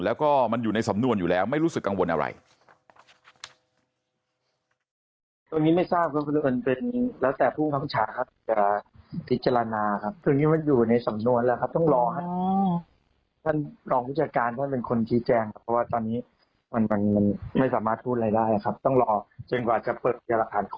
แล้วก็มันอยู่ในสำนวนอยู่แล้วไม่รู้สึกกังวลอะไร